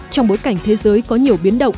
trong bối cảnh thế giới có nhiều biến động